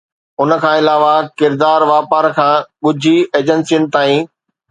ان کان علاوه، ڪردار واپار کان ڳجهي ايجنسين تائين